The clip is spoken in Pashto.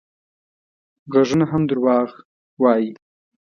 غږونه هم دروغ وايي